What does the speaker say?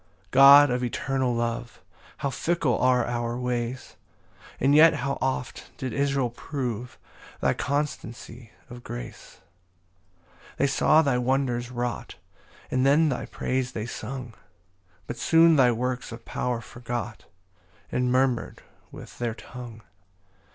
1 God of eternal love, How fickle are our ways! And yet how oft did Israel prove Thy constancy of grace! 2 They saw thy wonders wrought, And then thy praise they sung; But soon thy works of power forgot, And murmur'd with their tongue.